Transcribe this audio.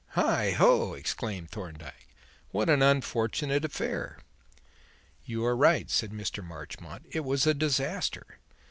"Heigho!" exclaimed Thorndyke. "What an unfortunate affair!" "You are right," said Mr. Marchmont; "it was a disaster.